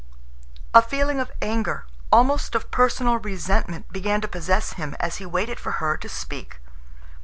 A feeling of anger, almost of personal resentment, began to possess him as he waited for her to speak.